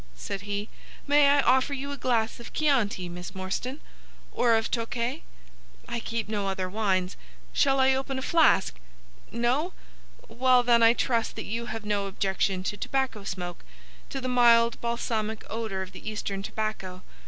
said he. "May I offer you a glass of Chianti, Miss Morstan? Or of Tokay? I keep no other wines. Shall I open a flask? No? Well, then, I trust that you have no objection to tobacco smoke, to the mild balsamic odour of the Eastern tobacco.